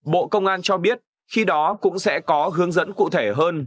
bộ công an cho biết khi đó cũng sẽ có hướng dẫn cụ thể hơn